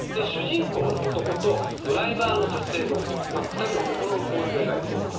主人公の男とドライバーの女性の２人の心の交流を描いている。